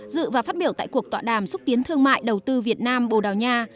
dự và phát biểu tại cuộc tọa đàm xúc tiến thương mại đầu tư việt nam bồ đào nha